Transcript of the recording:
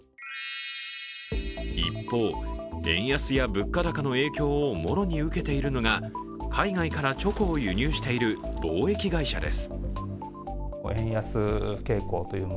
一方、円安や物価高の影響をもろに受けているのが海外からチョコを輸入している貿易会社です。